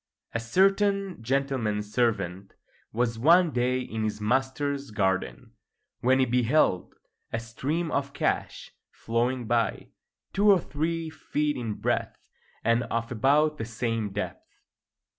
A certain gentleman's servant was one day in his master's garden, when he beheld a stream of cash flowing by, two or three feet in breadth and of about the same depth.